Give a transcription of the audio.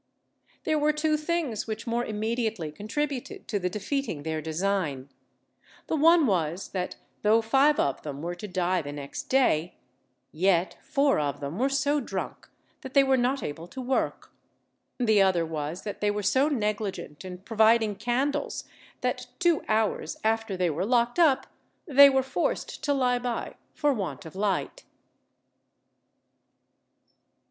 There were two things which more immediately contributed to the defeating their design; the one was, that though five of them were to die the next day, yet four of them were so drunk that they were not able to work; the other was that they were so negligent in providing candles that two hours after they were locked up they were forced to lie by for want of light.